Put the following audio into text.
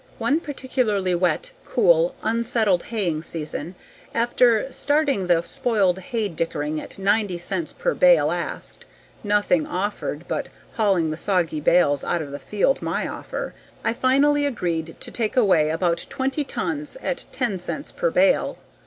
One particularly wet, cool unsettled haying season, after starting the spoiled hay dicker at 90 cents per bale asked nothing offered but hauling the soggy bales out of the field my offer I finally agreed to take away about twenty tons at ten cents per bale.